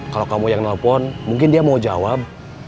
kalau kamu yang nelpon mungkin dia mau jawab